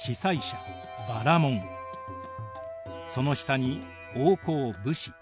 その下に王侯・武士。